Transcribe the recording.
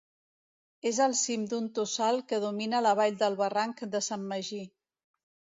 És al cim d'un tossal que domina la vall del barranc de Sant Magí.